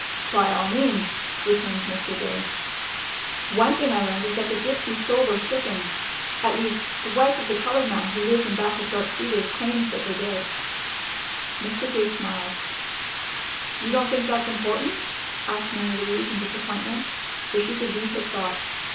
"By all means," returned Mr. Gay. "One thing I learned is that the gypsies stole those chickens. At least the wife of the colored man who lives in back of Dark Cedars claims that they did." Mr. Gay smiled. "You don't think that's important?" asked Mary Louise in disappointment, for she could read his thought.